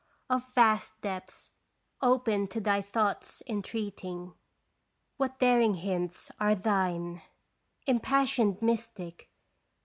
Of vast depths open to thy thought's entreating What daring hints are thine, Impassioned mystic